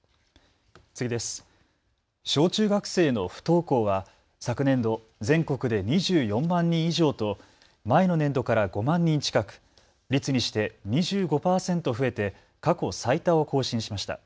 小中学生の不登校は昨年度、全国で２４万人以上と前の年度から５万人近く、率にして２５％増えて過去最多を更新しました。